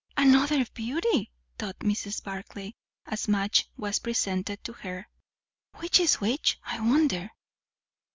"Another beauty!" thought Mrs. Barclay, as Madge was presented to her. "Which is which, I wonder?"